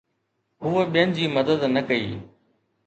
هوء ٻين جي مدد نه ڪئي